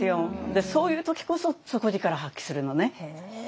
そういう時こそ底力発揮するのね。